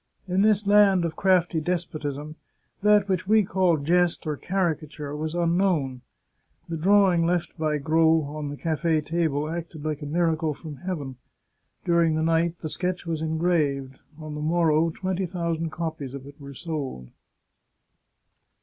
In this land of crafty despotism, that which we call jest or caricature was unknown. The drawing left by Gros on the cafe table acted like a miracle from heaven. During the night the sketch was engraved; on the morrow twenty thousand copies of it were sold.